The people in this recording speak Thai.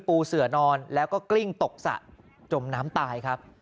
ปูเสือนอนแล้วก็กลิ้งตกสระจมน้ำตายครับ